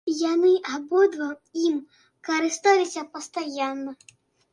Яны абодва ім карысталіся пастаянна.